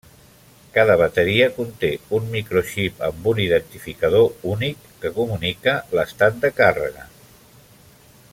Cada bateria conté un microxip amb un identificador únic que comunica l'estat de càrrega.